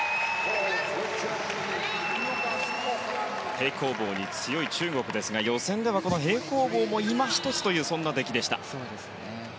平行棒に強い中国ですが予選ではこの平行棒も今一つという出来でした。